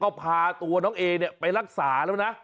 ก็พาตัวน้องเอเนี่ยไปรักษาแล้วนะ